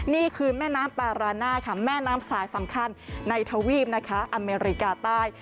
นี่คือแม่น้ำปาราน่าค่ะแม่น้ำสายสำคัญในทวีปนะคะอเมริกาใต้